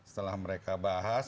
setelah mereka bahas